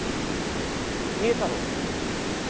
家太郎と申します。